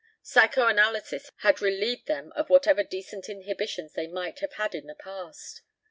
Psychoanalysis had relieved them of whatever decent inhibitions they might have had in the past.